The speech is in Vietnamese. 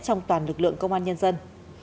trong toàn lực lượng công an nhân dân